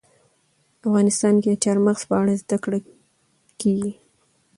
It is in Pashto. افغانستان کې د چار مغز په اړه زده کړه کېږي.